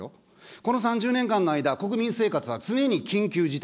この３０年間の間、国民生活は常に緊急事態。